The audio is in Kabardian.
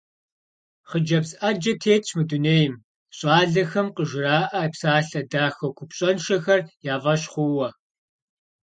Хъыджэбз Ӏэджэ тетщ мы дунейм, щӏалэхэм къыжыраӀэ псалъэ дахэ купщӀэншэхэр я фӀэщ хъууэ.